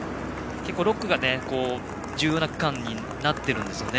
６区が、重要な区間になっているんですよね。